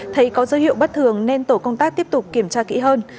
thấy có dấu hiệu bất thường nên tổ công tác tiếp tục kiểm tra kỹ hơn